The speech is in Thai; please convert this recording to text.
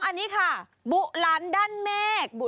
๒อันนี้ค่ะบูรันด้านเมฎราย